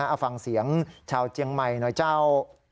เอาฟังเสียงชาวเจียงใหม่หน่อยเจ้า